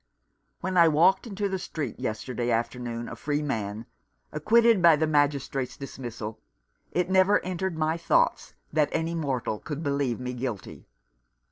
"When I walked into the street yesterday afternoon a free man, acquitted by the Magistrate's dismissal, it never entered my thoughts that any mortal could believe me guilty.